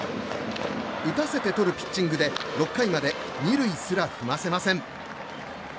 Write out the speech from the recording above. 打たせてとるピッチングで６回まで２塁すら踏ませません。